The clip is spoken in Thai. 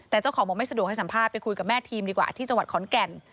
แต่เจ้าของบอกไม่สะดวกให้สัมภาษณ์ไปคุยกับแม่ทีมดีกว่าที่จังหวัดขอนแก่น